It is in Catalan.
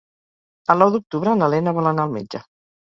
El nou d'octubre na Lena vol anar al metge.